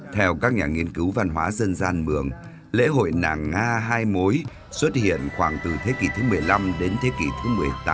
theo các nhà nghiên cứu văn hóa dân gian mường lễ hội nàng nga hai mối xuất hiện khoảng từ thế kỷ thứ một mươi năm đến thế kỷ thứ một mươi tám